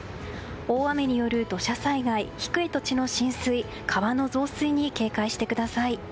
大雨による土砂災害低い土地の浸水川の増水に警戒してください。